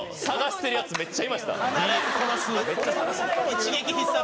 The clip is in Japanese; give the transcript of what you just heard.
一撃必殺。